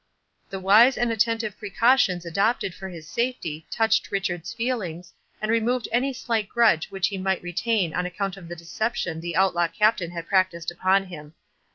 The wise and attentive precautions adopted for his safety touched Richard's feelings, and removed any slight grudge which he might retain on account of the deception the Outlaw Captain had practised upon him.